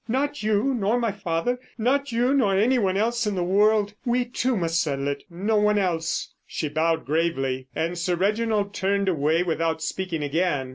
Not you nor my father, not you nor anyone else in the world. We two must settle it, no one else." She bowed gravely, and Sir Reginald turned away without speaking again.